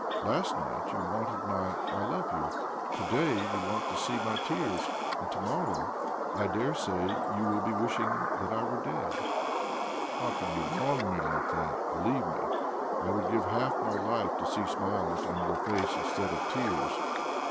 Last night you wanted my ' I love you '; to day you want to see my tears ; and to, mt)rrow, I daresay, you will be wishing that I were dead I " "How can you wrong me like that? Believe me, I would give half my life to see smiles on your face instead of tears."